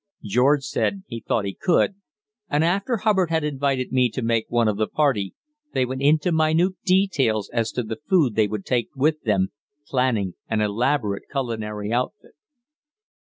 George said he thought he could, and after Hubbard had invited me to make one of the party, they went into minute details as to the food they would take with them, planning an elaborate culinary outfit.